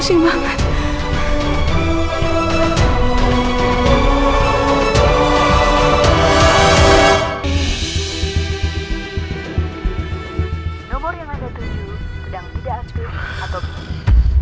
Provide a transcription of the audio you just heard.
masih gak aktif lagi handphonenya